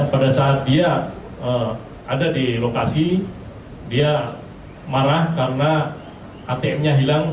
pada saat dia ada di lokasi dia marah karena atm nya hilang